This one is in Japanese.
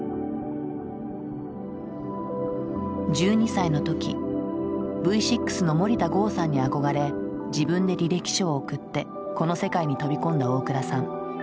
１２歳の時Ｖ６の森田剛さんに憧れ自分で履歴書を送ってこの世界に飛び込んだ大倉さん。